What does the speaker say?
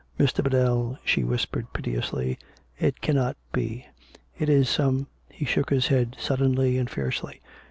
Mr. Biddell," she whispered piteously, " it cannot be. It is some " He shook his head suddenly and fiercely.